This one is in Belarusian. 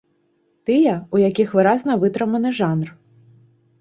Тыя, у якіх выразна вытрыманы жанр.